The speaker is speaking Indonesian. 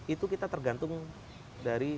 itu kita tergantung dari